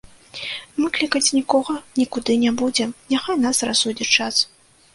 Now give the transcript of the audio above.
Мы клікаць нікога нікуды не будзем, няхай нас рассудзіць час.